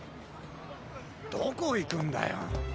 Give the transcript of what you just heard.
どこいくんだよ。